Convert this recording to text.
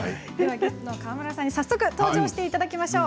ゲストの川村さんに登場していただきましょう。